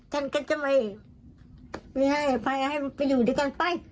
ฉันก็จะไม่ให้อภัยให้มันไปอยู่ด้วยกันไป